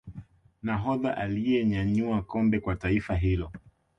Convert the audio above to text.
nahodha aliyenyanyua kombe Kwa taifa hilo